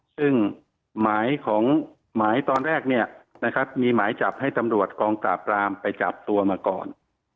ซึ่งหมายตอนแรกมีหมายจับให้ตำรวจกองตราบรามไปจับตัวมาก่อน